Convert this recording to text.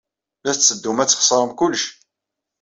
La tetteddum ad txeṣrem kullec.